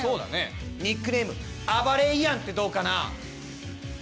ニックネームあばれイアンってどうかな？